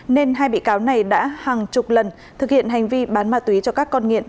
nên hai bị cáo này đã hàng chục lần thực hiện hành vi bán ma túy cho các con nghiện